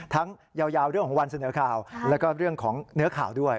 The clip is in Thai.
ยาวเรื่องของวันเสนอข่าวแล้วก็เรื่องของเนื้อข่าวด้วย